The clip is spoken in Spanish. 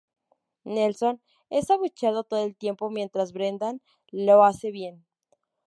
Nelson es abucheado todo el tiempo mientras Brendan lo hace bien.